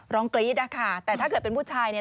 กรี๊ดนะคะแต่ถ้าเกิดเป็นผู้ชายเนี่ย